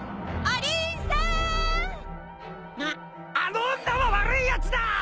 あの女は悪いやつだ！